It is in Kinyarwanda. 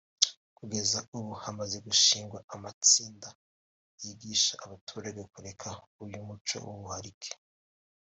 Kugeza ubu hamaze gushingwa amatsinda yigisha abaturage kureka uyu muco w’ubuharike